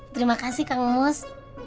terima kasih kak manus